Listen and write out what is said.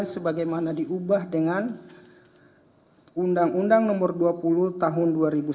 sebagaimana diubah dengan undang undang nomor dua puluh tahun dua ribu sembilan